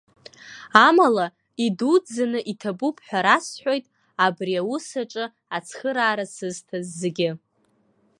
Амала, идуӡӡаны иҭабуп ҳәа расҳәоит абри аус аҿы ацхыраара сызҭаз зегьы.